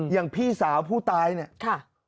อย่างพี่สาวผู้ตายนี่